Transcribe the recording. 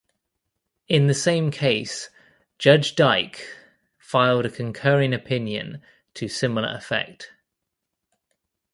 In the same case, Judge Dyk filed a concurring opinion to similar effect.